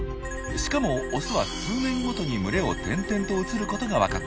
しかもオスは数年ごとに群れを転々と移ることが分かっています。